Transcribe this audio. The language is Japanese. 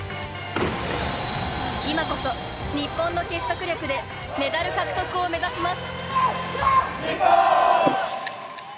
今こそ日本の結束力でメダル獲得を目指します。